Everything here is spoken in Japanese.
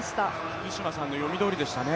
福島さんの読みどおりでしたね。